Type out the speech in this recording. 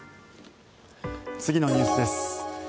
次のニュースです。